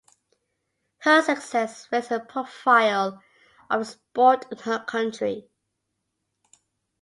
Her success raised the profile of the sport in her country.